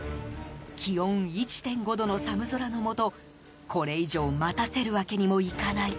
気温１．５度の寒空の下これ以上待たせるわけにもいかない。